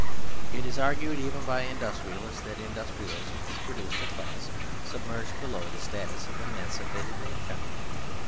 It is argued even by industrialists that industrialism has produced a class submerged below the status of emancipated mankind.